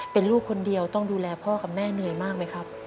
เป็นลูกคนเดียวต้องดูแลพ่อกับแม่เหนื่อยมากไหมครับ